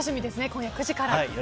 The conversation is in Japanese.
今夜９時から。